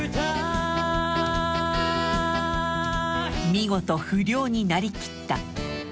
見事不良になりきった